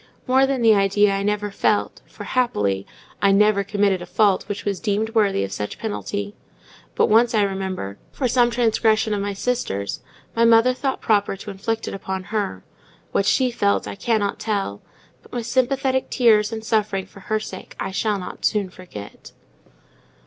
More than the idea I never felt, for, happily, I never committed a fault that was deemed worthy of such penalty; but once I remember, for some transgression of my sister's, our mother thought proper to inflict it upon her: what she felt, I cannot tell; but my sympathetic tears and suffering for her sake I shall not soon forget.